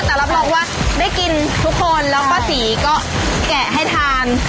แต่รับรองว่าได้กินทุกคนแล้วก็สีก็แกะให้ทาน